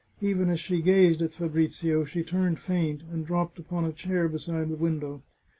Even as she gazed at Fabrizio, she turned faint, and dropped upon a chair beside the window.